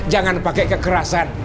jangan pakai kekerasan